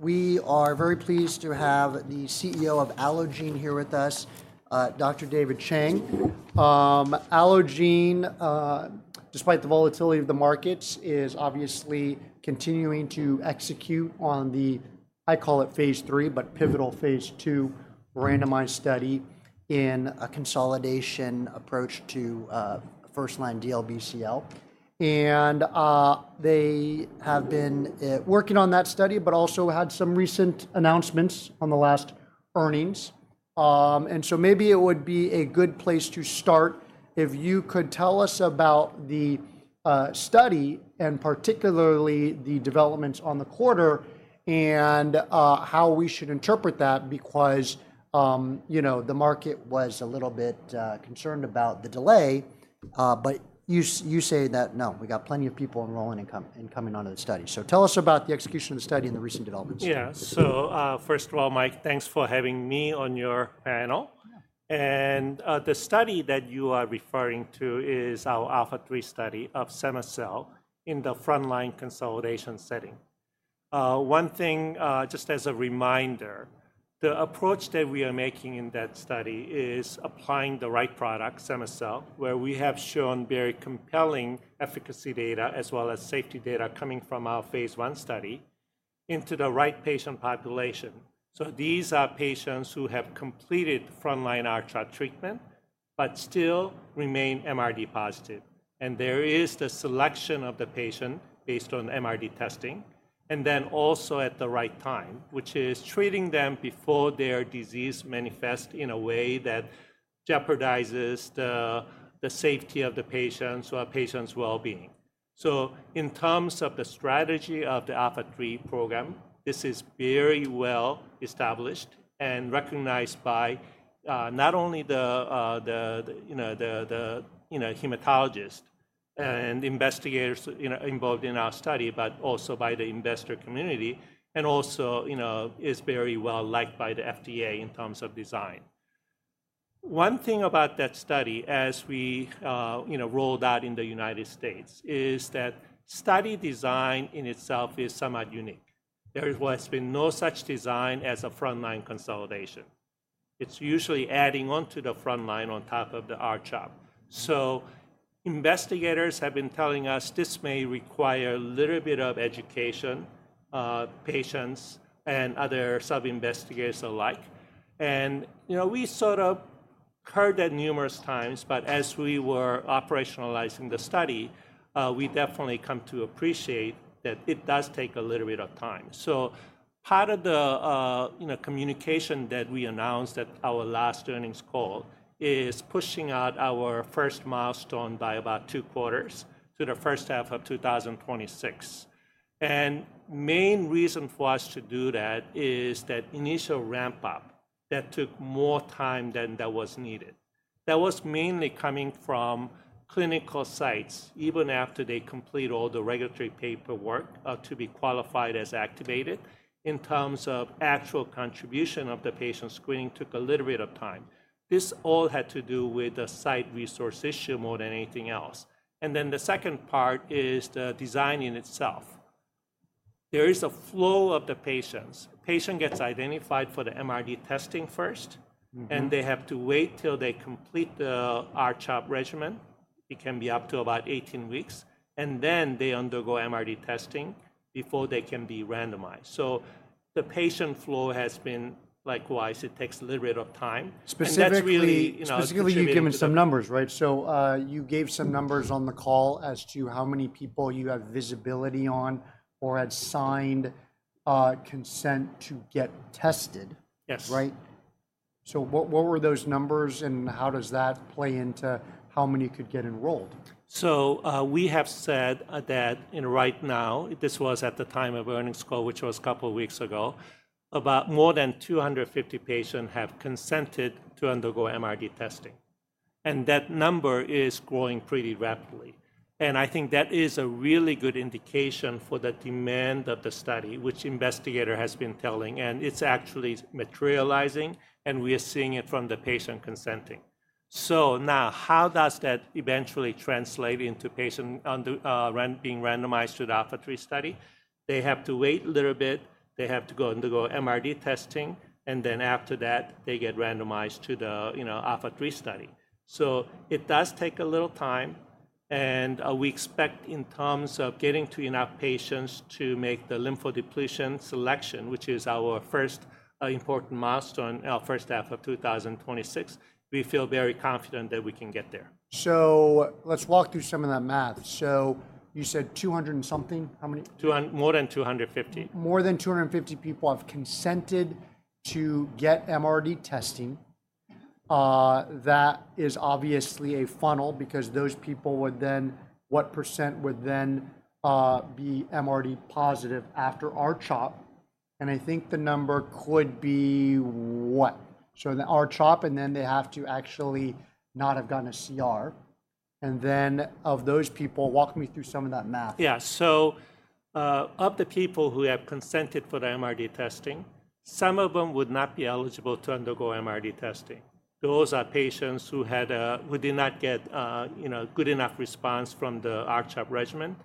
We are very pleased to have the CEO of Allogene here with us, Doctor David Chang. Allogene, despite the volatility of the markets, is obviously continuing to execute on the, I call it phase III, but pivotal phase II randomized study in a consolidation approach to first line DLBCL. They have been working on that study, but also had some recent announcements on the last earnings. Maybe it would be a good place to start if you could tell us about the study and particularly the developments on the quarter and how we should interpret that, because the market was a little bit concerned about the delay. You say that, no, we got plenty of people enrolling and coming onto the study. Tell us about the execution of the study and the recent developments. Yeah. First of all, Mike, thanks for having me on your panel. The study that you are referring to is our ALPHA3 study of cema-cel in the front line consolidation setting. One thing, just as a reminder, the approach that we are making in that study is applying the right product, cema-cel, where we have shown very compelling efficacy data as well as safety data coming from our phase I study into the right patient population. These are patients who have completed front line R-CHOP treatment, but still remain MRD positive. There is the selection of the patient based on MRD testing and then also at the right time, which is treating them before their disease manifests in a way that jeopardizes the safety of the patient or patient's well-being. In terms of the strategy of the ALPHA3 program, this is very well established and recognized by not only the hematologist and investigators involved in our study, but also by the investor community and also is very well liked by the FDA in terms of design. One thing about that study, as we rolled out in the United States, is that study design in itself is somewhat unique. There has been no such design as a frontline consolidation. It's usually adding onto the frontline on top of the R-CHOP. Investigators have been telling us this may require a little bit of education, patients, and other sub-investigators alike. We sort of heard that numerous times, but as we were operationalizing the study, we definitely come to appreciate that it does take a little bit of time. Part of the communication that we announced at our last earnings call is pushing out our first milestone by about two quarters to the first half of 2026. The main reason for us to do that is that initial ramp up that took more time than that was needed. That was mainly coming from clinical sites, even after they complete all the regulatory paperwork to be qualified as activated in terms of actual contribution of the patient screening took a little bit of time. This all had to do with the site resource issue more than anything else. The second part is the design in itself. There is a flow of the patients. The patient gets identified for the MRD testing first, and they have to wait till they complete the R-CHOP regimen. It can be up to about 18 weeks, and then they undergo MRD testing before they can be randomized. The patient flow has been likewise, it takes a little bit of time. Specifically, you've given some numbers, right? You gave some numbers on the call as to how many people you have visibility on or had signed consent to get tested, right? What were those numbers and how does that play into how many could get enrolled? We have said that right now, this was at the time of the earnings call, which was a couple of weeks ago, about more than 250 patients have consented to undergo MRD testing. That number is growing pretty rapidly. I think that is a really good indication for the demand of the study, which investigators have been telling, and it is actually materializing and we are seeing it from the patient consenting. Now, how does that eventually translate into patients being randomized to the ALPHA3 study? They have to wait a little bit, they have to undergo MRD testing, and then after that they get randomized to the ALPHA3 study. It does take a little time and we expect in terms of getting to enough patients to make the lymphodepletion selection, which is our first important milestone in our first half of 2026, we feel very confident that we can get there. Let's walk through some of that math. You said 200 and something, how many? More than 250. More than 250 people have consented to get MRD testing. That is obviously a funnel because those people would then, what percent would then be MRD positive after R-CHOP? I think the number could be what? The R-CHOP and then they have to actually not have gotten a CR. Of those people, walk me through some of that math. Yeah. Of the people who have consented for the MRD testing, some of them would not be eligible to undergo MRD testing. Those are patients who did not get good enough response from the R-CHOP regimen.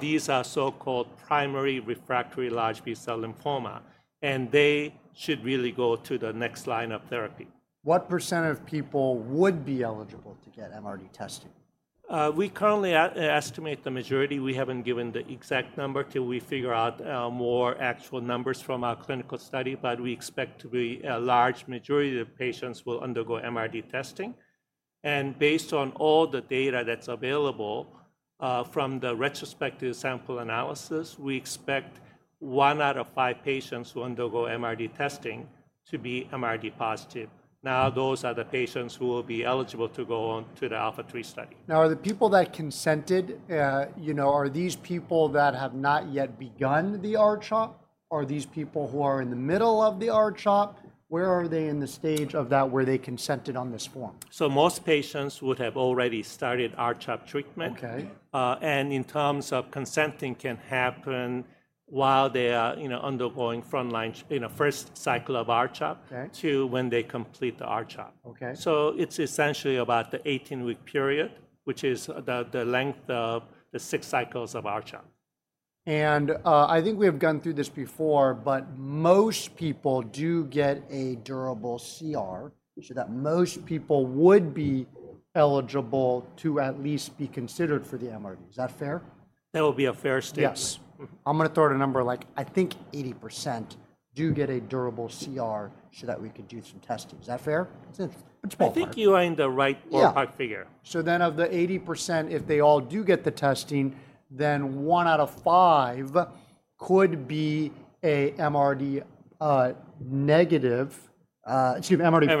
These are so-called primary refractory large B-cell lymphoma, and they should really go to the next line of therapy. What percent of people would be eligible to get MRD testing? We currently estimate the majority. We haven't given the exact number till we figure out more actual numbers from our clinical study, but we expect a large majority of patients will undergo MRD testing. Based on all the data that's available from the retrospective sample analysis, we expect one out of five patients who undergo MRD testing to be MRD positive. Those are the patients who will be eligible to go on to the ALPHA3 study. Now are the people that consented, are these people that have not yet begun the R-CHOP? Are these people who are in the middle of the R-CHOP? Where are they in the stage of that where they consented on this form? Most patients would have already started R-CHOP treatment. In terms of consenting, it can happen while they are undergoing frontline, first cycle of R-CHOP to when they complete the R-CHOP. It is essentially about the 18-week period, which is the length of the six cycles of R-CHOP. I think we have gone through this before, but most people do get a durable CR, so that most people would be eligible to at least be considered for the MRD. Is that fair? That would be a fair statement. Yes. I'm going to throw out a number, like I think 80% do get a durable CR so that we could do some testing. Is that fair? I think you are in the right ballpark figure. Then of the 80%, if they all do get the testing, then one out of five could be MRD negative, excuse me, MRD positive.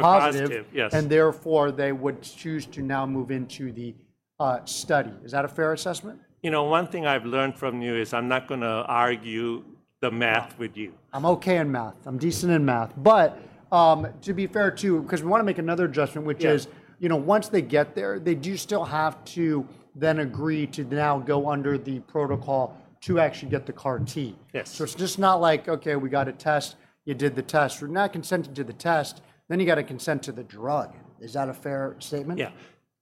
MRD positive, yes. Therefore they would choose to now move into the study. Is that a fair assessment? You know, one thing I've learned from you is I'm not going to argue the math with you. I'm okay in math. I'm decent in math. To be fair too, because we want to make another adjustment, which is once they get there, they do still have to then agree to now go under the protocol to actually get the CAR T. Yes. It's just not like, okay, we got a test, you did the test, you're not consented to the test, then you got to consent to the drug. Is that a fair statement? Yeah.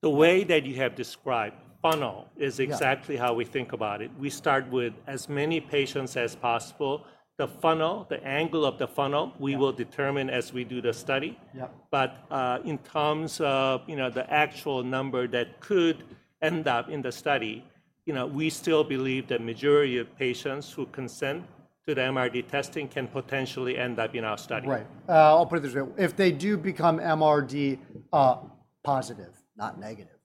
The way that you have described funnel is exactly how we think about it. We start with as many patients as possible. The funnel, the angle of the funnel, we will determine as we do the study. In terms of the actual number that could end up in the study, we still believe the majority of patients who consent to the MRD testing can potentially end up in our study. Right. I'll put it this way. If they do become MRD positive, not negative,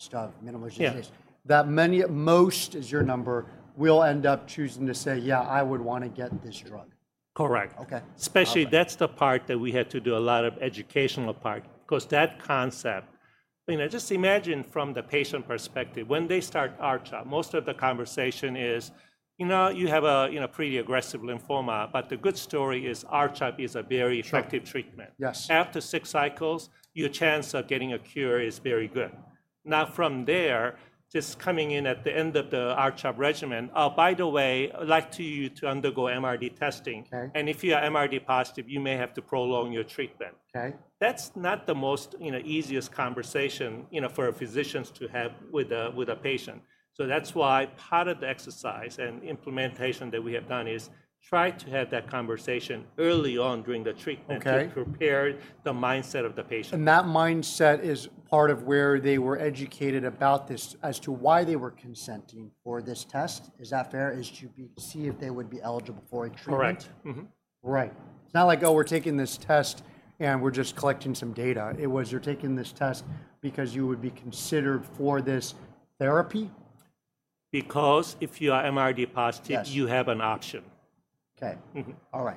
they still have minimal resistance, that most, as your number, will end up choosing to say, yeah, I would want to get this drug. Correct. Okay. Especially that's the part that we had to do a lot of educational part, because that concept, just imagine from the patient perspective, when they start R-CHOP, most of the conversation is, you have a pretty aggressive lymphoma, but the good story is R-CHOP is a very effective treatment. After six cycles, your chance of getting a cure is very good. Now from there, just coming in at the end of the R-CHOP regimen, oh, by the way, I'd like you to undergo MRD testing. And if you are MRD positive, you may have to prolong your treatment. That's not the easiest conversation for physicians to have with a patient. That's why part of the exercise and implementation that we have done is try to have that conversation early on during the treatment to prepare the mindset of the patient. That mindset is part of where they were educated about this as to why they were consenting for this test. Is that fair? Is to see if they would be eligible for a treatment? Correct. Right. It's not like, oh, we're taking this test and we're just collecting some data. It was you're taking this test because you would be considered for this therapy? Because if you are MRD positive, you have an option. Okay. All right.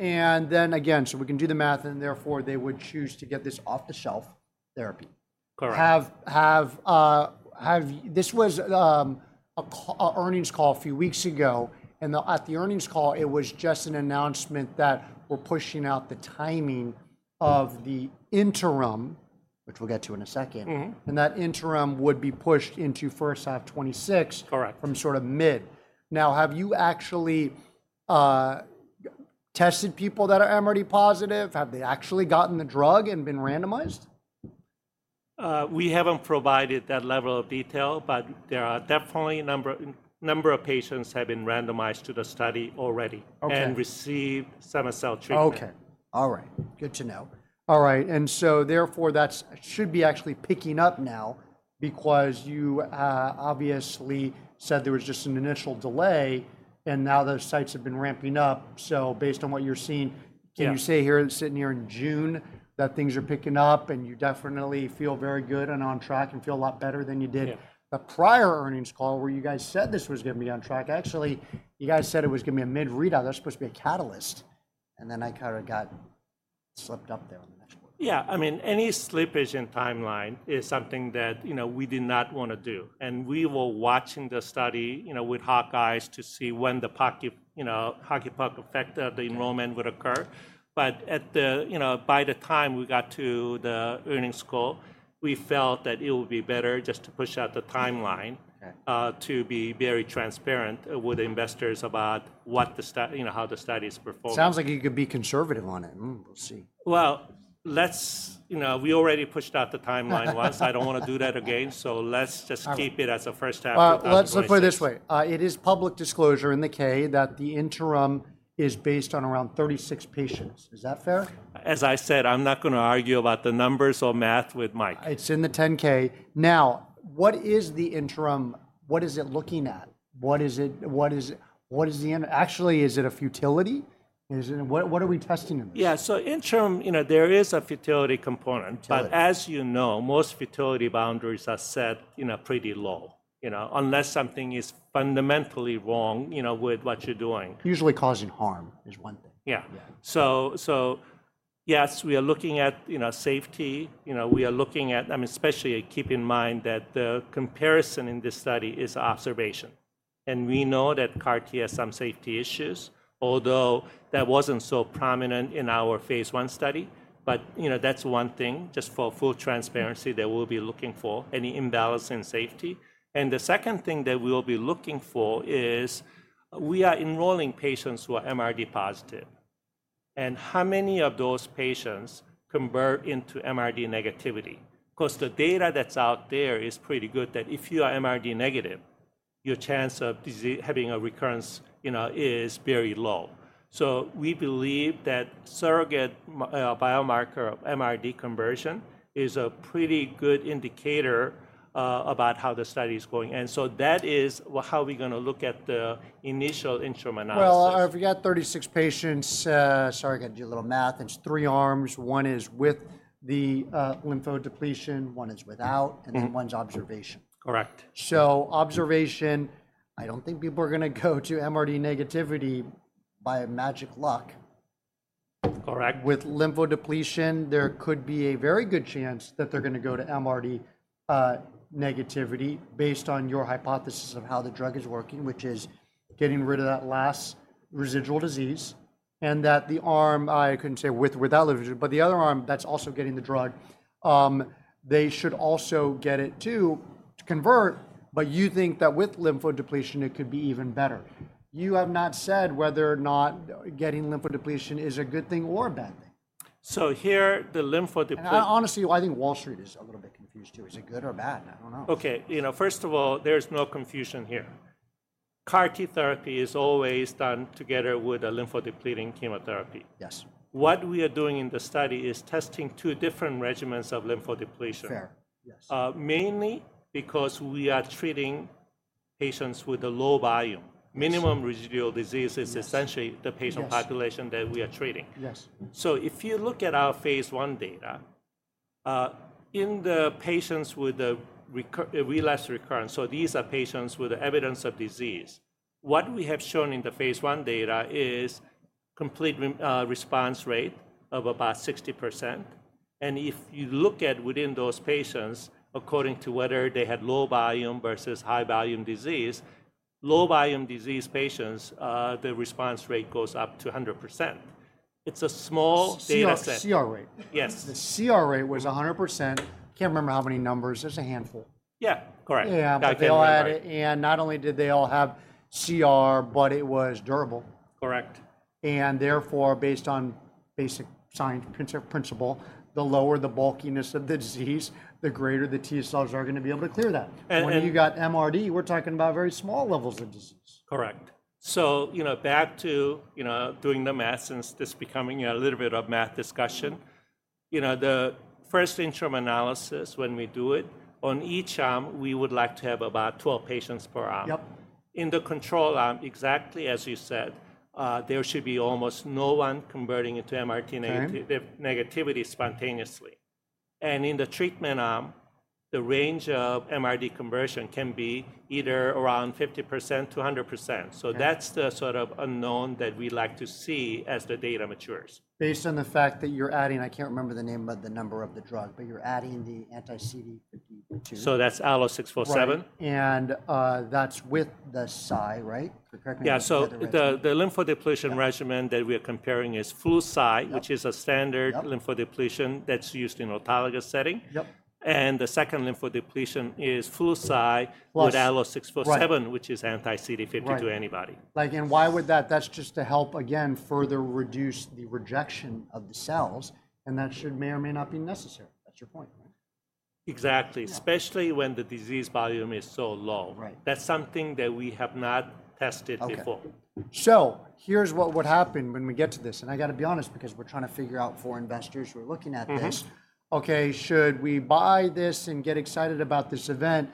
And then again, so we can do the math and therefore they would choose to get this off-the-shelf therapy. Correct. This was an earnings call a few weeks ago. At the earnings call, it was just an announcement that we're pushing out the timing of the interim, which we'll get to in a second. That interim would be pushed into first half 2026 from sort of mid. Now, have you actually tested people that are MRD positive? Have they actually gotten the drug and been randomized? We haven't provided that level of detail, but there are definitely a number of patients that have been randomized to the study already and received cema-cel treatment. Okay. All right. Good to know. All right. Therefore, that should be actually picking up now because you obviously said there was just an initial delay and now the sites have been ramping up. Based on what you're seeing, can you say here, sitting here in June, that things are picking up and you definitely feel very good and on track and feel a lot better than you did the prior earnings call where you guys said this was going to be on track? Actually, you guys said it was going to be a mid-readout. That is supposed to be a catalyst. I kind of got slipped up there on the next one. Yeah. I mean, any slippage in timeline is something that we did not want to do. We were watching the study with hawk eyes to see when the hockey puck effect of the enrollment would occur. By the time we got to the earnings call, we felt that it would be better just to push out the timeline to be very transparent with investors about how the study is performing. Sounds like you could be conservative on it. We'll see. We already pushed out the timeline once. I don't want to do that again. Let's just keep it as a first half. Let's put it this way. It is public disclosure in the 10-K that the interim is based on around 36 patients. Is that fair? As I said, I'm not going to argue about the numbers or math with Mike. It's in the 10-K. Now, what is the interim? What is it looking at? What is the, actually, is it a futility? What are we testing in this? Yeah. So interim, there is a futility component. But as you know, most futility boundaries are set pretty low, unless something is fundamentally wrong with what you're doing. Usually causing harm is one thing. Yeah. So yes, we are looking at safety. We are looking at, I mean, especially keep in mind that the comparison in this study is observation. We know that CAR T has some safety issues, although that was not so prominent in our phase one study. That is one thing, just for full transparency, that we will be looking for any imbalance in safety. The second thing that we will be looking for is we are enrolling patients who are MRD positive. How many of those patients convert into MRD negativity? The data that is out there is pretty good that if you are MRD negative, your chance of having a recurrence is very low. We believe that surrogate biomarker of MRD conversion is a pretty good indicator about how the study is going. That is how we are going to look at the initial interim analysis. I forgot 36 patients. Sorry, I got to do a little math. It's three arms. One is with the lymphodepletion, one is without, and then one's observation. Correct. Observation, I don't think people are going to go to MRD negativity by magic luck. Correct. With lymphodepletion, there could be a very good chance that they're going to go to MRD negativity based on your hypothesis of how the drug is working, which is getting rid of that last residual disease. The arm, I couldn't say with or without lymphodepletion, but the other arm that's also getting the drug, they should also get it too to convert. You think that with lymphodepletion, it could be even better. You have not said whether or not getting lymphodepletion is a good thing or a bad thing. Here, the lymphodepletion. Honestly, I think Wall Street is a little bit confused too. Is it good or bad? I don't know. Okay. First of all, there's no confusion here. CAR T therapy is always done together with a lymphodepleting chemotherapy. What we are doing in the study is testing two different regimens of lymphodepletion. Fair. Yes. Mainly because we are treating patients with a low volume. Minimal residual disease is essentially the patient population that we are treating. If you look at our phase I data, in the patients with the relapse recurrence, these are patients with evidence of disease, what we have shown in the phase I data is complete response rate of about 60%. If you look at within those patients, according to whether they had low volume versus high volume disease, low volume disease patients, the response rate goes up to 100%. It's a small data set. CR rate. Yes. The CR rate was 100%. Can't remember how many numbers. There's a handful. Yeah. Correct. Yeah. They all had, and not only did they all have CR, but it was durable. Correct. Therefore, based on basic science principle, the lower the bulkiness of the disease, the greater the T cells are going to be able to clear that. When you got MRD, we're talking about very small levels of disease. Correct. Back to doing the math and just becoming a little bit of math discussion. The first interim analysis, when we do it, on each arm, we would like to have about 12 patients per arm. In the control arm, exactly as you said, there should be almost no one converting into MRD negativity spontaneously. In the treatment arm, the range of MRD conversion can be either around 50%-100%. That is the sort of unknown that we like to see as the data matures. Based on the fact that you're adding, I can't remember the name, but the number of the drug, but you're adding the anti-CD19. So that's ALLO-647. That's with the Flu/Cy, right? Yeah. The lymphodepletion regimen that we are comparing is Flu/Cy, which is a standard lymphodepletion that's used in the autologous setting. The second lymphodepletion is Flu/Cy with ALLO-647, which is anti-CD52 antibody. Why would that, that's just to help again, further reduce the rejection of the cells? That should may or may not be necessary. That's your point, right? Exactly. Especially when the disease volume is so low. That's something that we have not tested before. Here's what would happen when we get to this. I got to be honest, because we're trying to figure out for investors who are looking at this, okay, should we buy this and get excited about this event?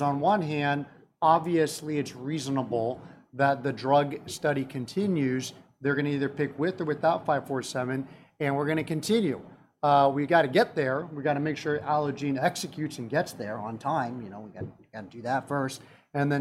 On one hand, obviously it's reasonable that the drug study continues. They're going to either pick with or without 547, and we're going to continue. We got to get there. We got to make sure Allogene executes and gets there on time. We got to do that first.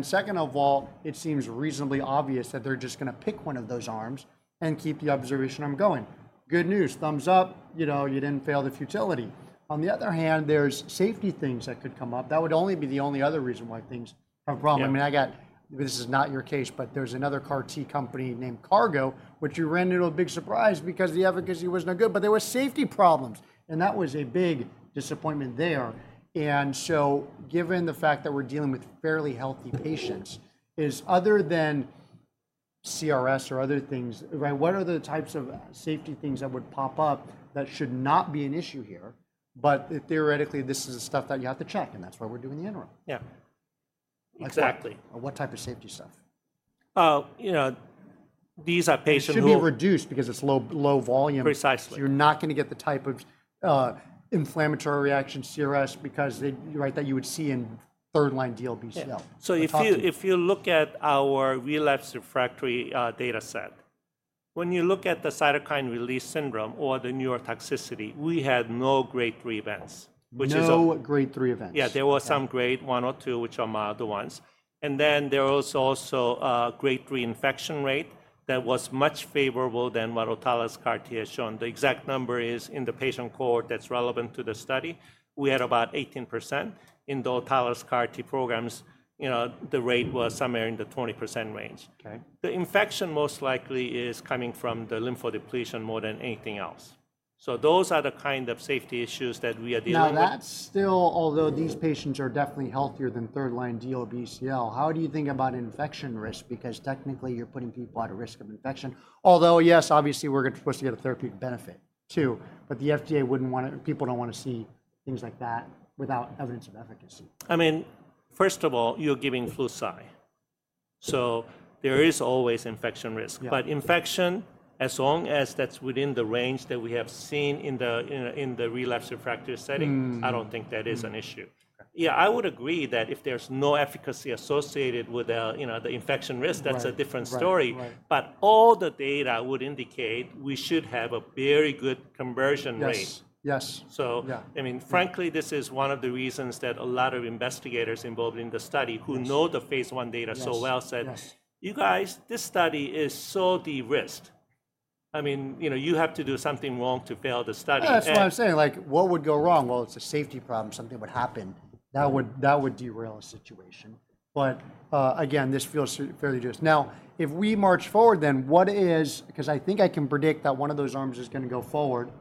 Second of all, it seems reasonably obvious that they're just going to pick one of those arms and keep the observation arm going. Good news. Thumbs up. You didn't fail the futility. On the other hand, there's safety things that could come up. That would only be the only other reason why things have a problem. I mean, I got, this is not your case, but there's another CAR T company named Cargo, which ran into a big surprise because the efficacy was no good, but there were safety problems. That was a big disappointment there. Given the fact that we're dealing with fairly healthy patients, is, other than CRS or other things, what are the types of safety things that would pop up that should not be an issue here? Theoretically, this is the stuff that you have to check. That's why we're doing the interim. Yeah. Exactly. What type of safety stuff? These are patients who. It should be reduced because it's low volume. Precisely. You're not going to get the type of inflammatory reaction CRS that you would see in third line DLBCL. If you look at our relapse refractory data set, when you look at the cytokine release syndrome or the neurotoxicity, we had no grade three events. No grade three events. Yeah. There were some grade one or two, which are milder ones. There was also a grade three infection rate that was much favorable than what Autolus CAR T has shown. The exact number is in the patient cohort that's relevant to the study. We had about 18%. In the Autolus CAR T programs, the rate was somewhere in the 20% range. The infection most likely is coming from the lymphodepletion more than anything else. Those are the kind of safety issues that we are dealing with. Now, that's still, although these patients are definitely healthier than third line DLBCL, how do you think about infection risk? Because technically you're putting people at a risk of infection. Although, yes, obviously we're supposed to get a therapeutic benefit too, but the FDA wouldn't want to, people don't want to see things like that without evidence of efficacy. I mean, first of all, you're giving Flu/Cy. So there is always infection risk. But infection, as long as that's within the range that we have seen in the relapse refractory setting, I don't think that is an issue. Yeah, I would agree that if there's no efficacy associated with the infection risk, that's a different story. All the data would indicate we should have a very good conversion rate. I mean, frankly, this is one of the reasons that a lot of investigators involved in the study who know the phase I data so well said, "You guys, this study is so de-risked. I mean, you have to do something wrong to fail the study. That's what I'm saying. Like what would go wrong? It's a safety problem. Something would happen. That would derail a situation. Again, this feels fairly de-risked. Now, if we march forward, then what is, because I think I can predict that one of those arms is going to go forward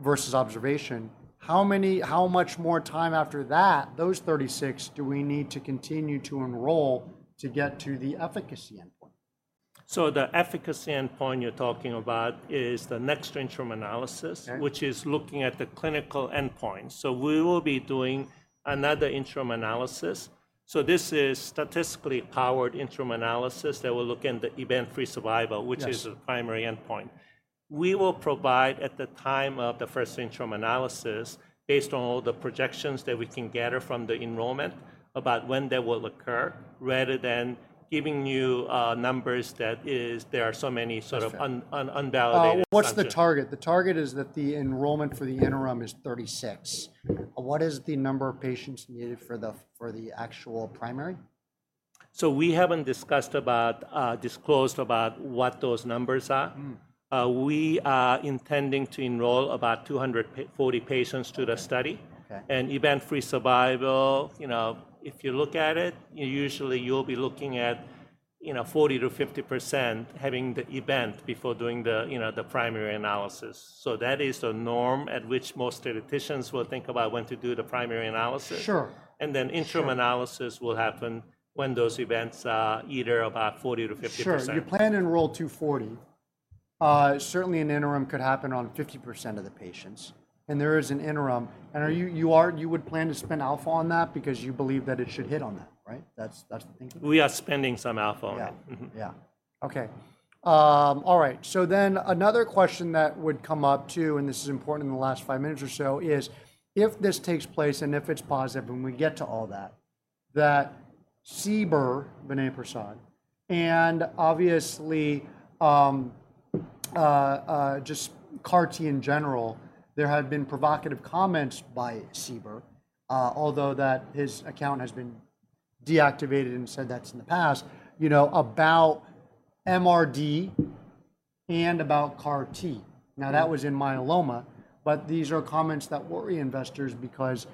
versus observation, how much more time after that, those 36, do we need to continue to enroll to get to the efficacy endpoint? The efficacy endpoint you're talking about is the next interim analysis, which is looking at the clinical endpoint. We will be doing another interim analysis. This is a statistically powered interim analysis that will look at the event-free survival, which is the primary endpoint. We will provide at the time of the first interim analysis, based on all the projections that we can gather from the enrollment, about when that will occur, rather than giving you numbers that are so many sort of unvalidated. What's the target? The target is that the enrollment for the interim is 36. What is the number of patients needed for the actual primary? We haven't disclosed about what those numbers are. We are intending to enroll about 240 patients to the study. Event-free survival, if you look at it, usually you'll be looking at 40%-50% having the event before doing the primary analysis. That is a norm at which most statisticians will think about when to do the primary analysis. Interim analysis will happen when those events are either about 40%-50%. You plan to enroll 240. Certainly an interim could happen on 50% of the patients. There is an interim. You would plan to spend alpha on that because you believe that it should hit on that, right? That's the thinking? We are spending some alpha on that. Yeah. Yeah. Okay. All right. Another question that would come up too, and this is important in the last five minutes or so, is if this takes place and if it's positive, and we get to all that, that CBER, Vinay Prasad, and obviously just CAR T in general, there had been provocative comments by CBER, although his account has been deactivated and said that's in the past, about MRD and about CAR T. That was in myeloma, but these are comments that worry investors because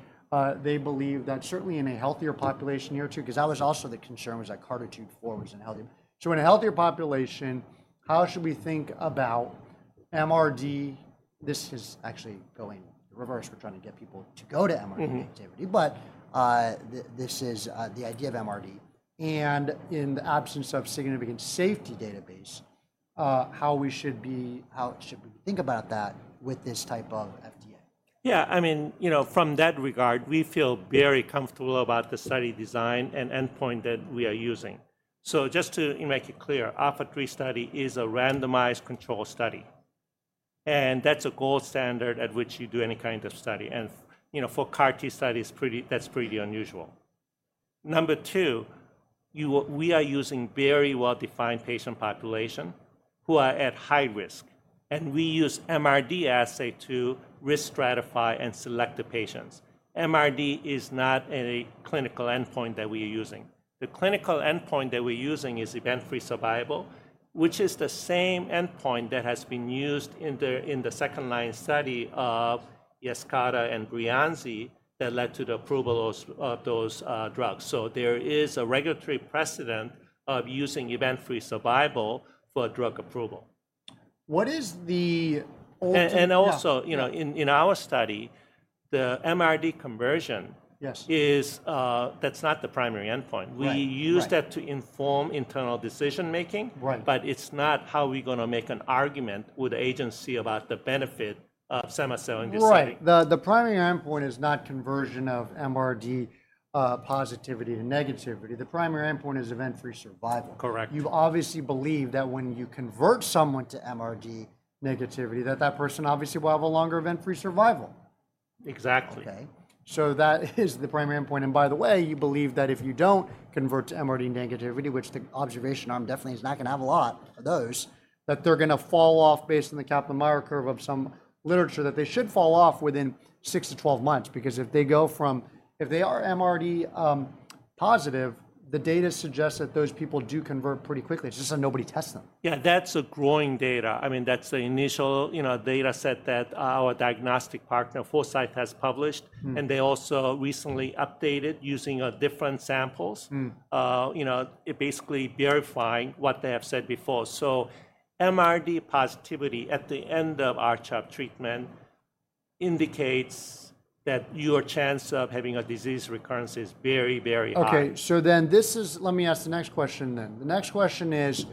they believe that certainly in a healthier population near too, because that was also the concern was that CARTITUDE-4 was in healthy. In a healthier population, how should we think about MRD? This is actually going reverse. We're trying to get people to go to MRD activity, but this is the idea of MRD. In the absence of significant safety database, how should we think about that with this type of FDA? Yeah. I mean, from that regard, we feel very comfortable about the study design and endpoint that we are using. Just to make it clear, ALPHA3 study is a randomized control study. That is the gold standard at which you do any kind of study. For CAR T study, that is pretty unusual. Number two, we are using very well-defined patient population who are at high risk. We use MRD assay to risk stratify and select the patients. MRD is not a clinical endpoint that we are using. The clinical endpoint that we are using is event-free survival, which is the same endpoint that has been used in the second-line study of Yescarta and Breyanzi that led to the approval of those drugs. There is a regulatory precedent of using event-free survival for drug approval. What is the ultimate? Also, in our study, the MRD conversion, that's not the primary endpoint. We use that to inform internal decision making, but it's not how we're going to make an argument with the agency about the benefit of cema-cel. Right. The primary endpoint is not conversion of MRD positivity to negativity. The primary endpoint is event-free survival. Correct. You obviously believe that when you convert someone to MRD negativity, that that person obviously will have a longer event-free survival. Exactly. Okay. That is the primary endpoint. By the way, you believe that if you do not convert to MRD negativity, which the observation arm definitely is not going to have a lot of those, that they are going to fall off based on the Kaplan-Meier curve of some literature that they should fall off within six to 12 months. Because if they go from, if they are MRD positive, the data suggests that those people do convert pretty quickly. It is just that nobody tests them. Yeah. That's a growing data. I mean, that's the initial data set that our diagnostic partner, Foresight, has published. They also recently updated using different samples, basically verifying what they have said before. MRD positivity at the end of R-CHOP treatment indicates that your chance of having a disease recurrence is very, very high. Okay. So then this is, let me ask the next question then. The next question is,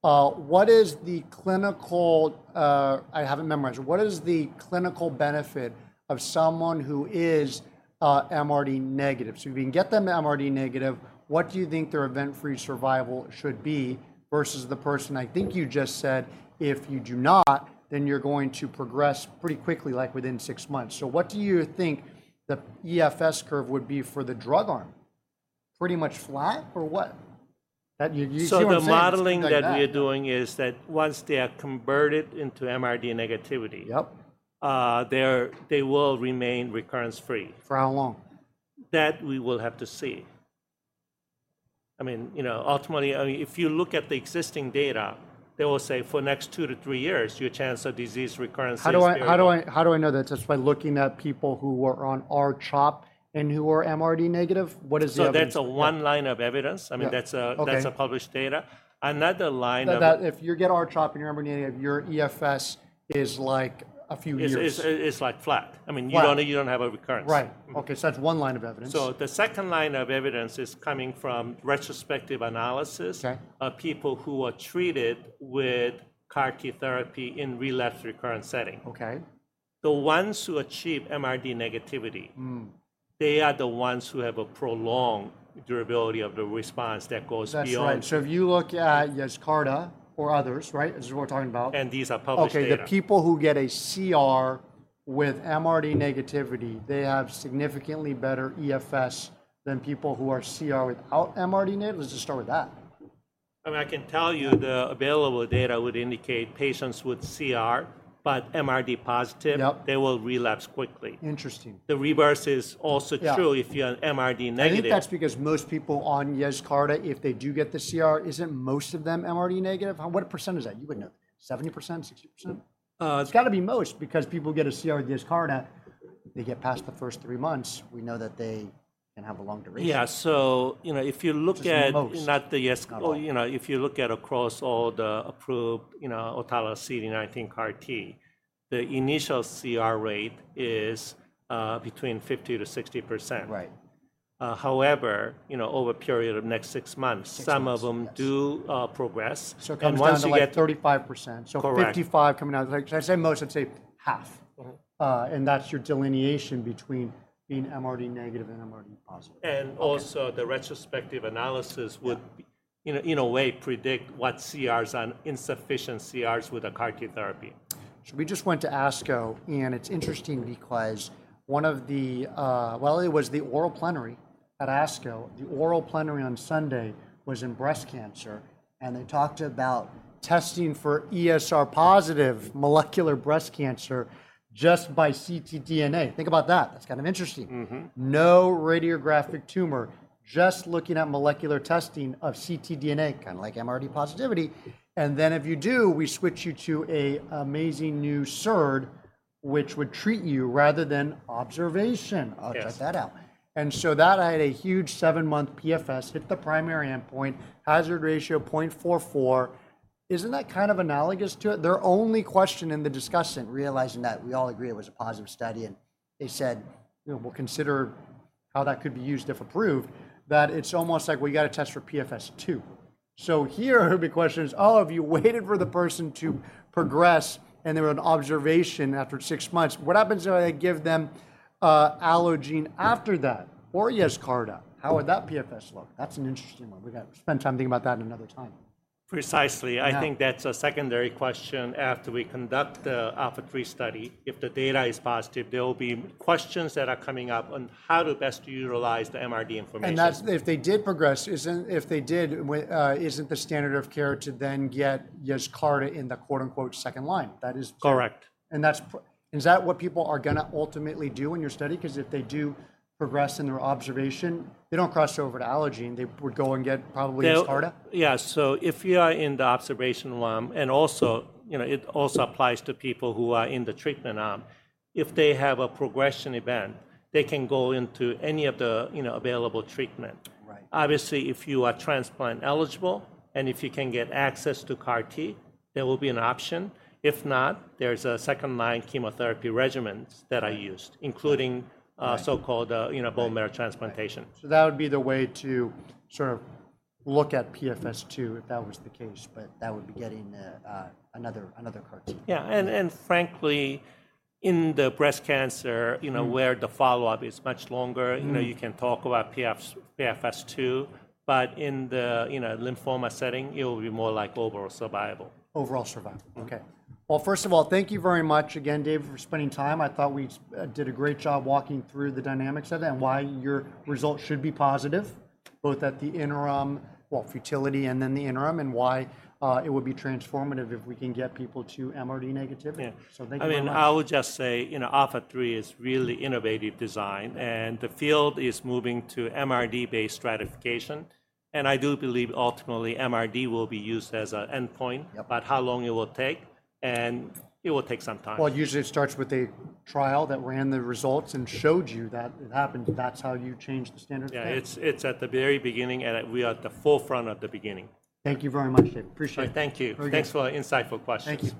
what is the clinical, I haven't memorized, what is the clinical benefit of someone who is MRD negative? So if you can get them MRD negative, what do you think their event-free survival should be versus the person, I think you just said, if you do not, then you're going to progress pretty quickly, like within six months. So what do you think the EFS curve would be for the drug arm? Pretty much flat or what? The modeling that we are doing is that once they are converted into MRD negativity, they will remain recurrence-free. For how long? That we will have to see. I mean, ultimately, if you look at the existing data, they will say for the next two to three years, your chance of disease recurrence is high. How do I know that? Just by looking at people who were on R-CHOP and who were MRD negative? What is the evidence? That's a one line of evidence. I mean, that's published data. Another line of. If you get R-CHOP and you're MRD negative, your EFS is like a few years. It's like flat. I mean, you don't have a recurrence. Right. Okay. So that's one line of evidence. The second line of evidence is coming from retrospective analysis of people who are treated with CAR T therapy in relapse recurrent setting. The ones who achieve MRD negativity, they are the ones who have a prolonged durability of the response that goes beyond. That's right. If you look at Yescarta or others, right? This is what we're talking about. These are published data. Okay. The people who get a CR with MRD negativity, they have significantly better EFS than people who are CR without MRD negativity? Let's just start with that. I mean, I can tell you the available data would indicate patients with CR, but MRD positive, they will relapse quickly. Interesting. The reverse is also true if you're an MRD negative. I think that's because most people on Yescarta, if they do get the CR, isn't most of them MRD negative? What percent is that? You would know. 70%, 60%? It's got to be most because people get a CR with Yescarta, they get past the first three months. We know that they can have a long duration. Yeah. So if you look at. It's most. Not the Yescarta. If you look at across all the approved autologous CD19 CAR T, the initial CR rate is between 50%-60%. Right. However, over a period of next six months, some of them do progress. Coming out at 35%. 55% coming out. I say most, I'd say half. And that's your delineation between being MRD negative and MRD positive. Also, the retrospective analysis would in a way predict what CRs are, insufficient CRs with a CAR T therapy. We just went to ASCO, and it's interesting because one of the, well, it was the oral plenary at ASCO. The oral plenary on Sunday was in breast cancer. They talked about testing for ESR positive molecular breast cancer just by ctDNA. Think about that. That's kind of interesting. No radiographic tumor, just looking at molecular testing of ctDNA, kind of like MRD positivity. If you do, we switch you to an amazing new SERD, which would treat you rather than observation. I'll check that out. That had a huge seven-month PFS, hit the primary endpoint, hazard ratio 0.44. Isn't that kind of analogous to it? Their only question in the discussion, realizing that we all agree it was a positive study, and they said, "We'll consider how that could be used if approved," that it's almost like we got to test for PFS too. Here, the question is, "Oh, if you waited for the person to progress and there were an observation after six months, what happens if I give them Allogene after that or Yescarta? How would that PFS look?" That's an interesting one. We're going to spend time thinking about that another time. Precisely. I think that's a secondary question after we conduct the ALPHA3 trial. If the data is positive, there will be questions that are coming up on how to best utilize the MRD information. If they did progress, isn't the standard of care to then get Yescarta in the second line? That is. Correct. Is that what people are going to ultimately do in your study? Because if they do progress in their observation, they do not cross over to Allogene, they would go and get probably Yescarta? Yeah. If you are in the observation arm, and it also applies to people who are in the treatment arm, if they have a progression event, they can go into any of the available treatment. Obviously, if you are transplant eligible and if you can get access to CAR T, there will be an option. If not, there's a second line chemotherapy regimen that I used, including so-called bone marrow transplantation. That would be the way to sort of look at PFS too if that was the case, but that would be getting another CAR T. Yeah. And frankly, in the breast cancer, where the follow-up is much longer, you can talk about PFS too. But in the lymphoma setting, it will be more like overall survival. Overall survival. Okay. First of all, thank you very much again, David, for spending time. I thought we did a great job walking through the dynamics of that and why your result should be positive, both at the interim, well, fertility and then the interim, and why it would be transformative if we can get people to MRD negativity. So thank you very much. I mean, I would just say ALPHA3 is really innovative design. The field is moving to MRD-based stratification. I do believe ultimately MRD will be used as an endpoint, but how long it will take? It will take some time. Usually it starts with a trial that ran the results and showed you that it happened. That's how you changed the standard of care. Yeah. It's at the very beginning. We are at the forefront of the beginning. Thank you very much, David. Appreciate it. Thank you. Thanks for the insightful questions. Thanks.